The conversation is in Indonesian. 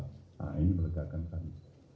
nah ini melegakan kami